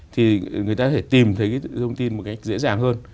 thì người ta có thể tìm thấy cái thông tin một cách dễ dàng hơn